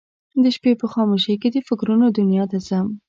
د شپې په خاموشۍ کې د فکرونه دنیا ته ځم